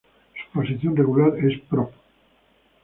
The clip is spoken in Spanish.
Su posición regular es prop.